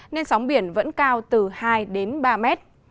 nên sóng biển vẫn cao từ hai đến ba mét